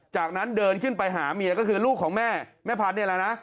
จากนั้นเดินขึ้นไปหาเมียก็คือลูกของแม่แม่พันธุ์นี่แหละนะ